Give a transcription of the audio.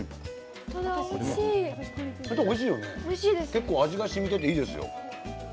結構味がしみてていいですよ。